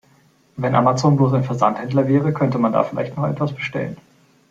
Wenn Amazon bloß ein Versandhändler wäre, könnte man da vielleicht noch etwas bestellen.